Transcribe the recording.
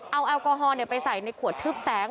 เอาแอลกอฮอลไปใส่ในขวดทึบแสง